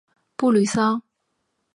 布吕桑。